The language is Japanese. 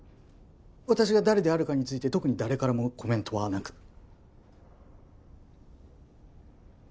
私が誰であるかについて特に誰からもコメントはなく？